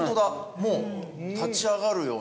もう立ち上がるような。